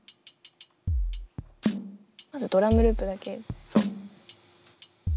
まずドラムループだけ。